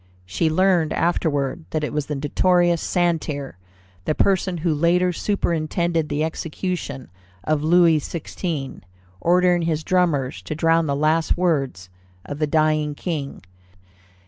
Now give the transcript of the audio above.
She learned afterward that it was the notorious Santerre, the person who later superintended the execution of Louis XVI., ordering his drummers to drown the last words of the dying King.